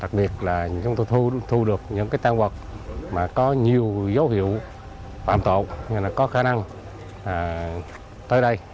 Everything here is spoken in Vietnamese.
đặc biệt là chúng tôi thu được những cái tăng vật mà có nhiều dấu hiệu phạm tội hay là có khả năng tới đây